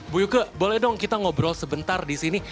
bu yuke boleh dong kita ngobrol sebentar di sini